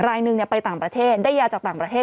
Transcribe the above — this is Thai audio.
รายหนึ่งไปต่างประเทศได้ยาจากต่างประเทศ